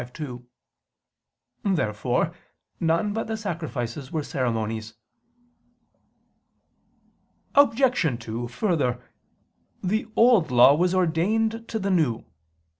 Therefore none but the sacrifices were ceremonies. Obj. 2: Further, the Old Law was ordained to the New.